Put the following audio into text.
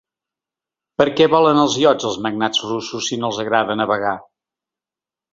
Per què volen els iots els magnats russos si no els agrada navegar?